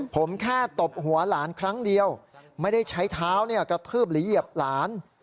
ผมแค่ตบหัวหลานครั้งเดียวไม่ได้ใช้เท้ากระทืบหรือเหยียบหลาน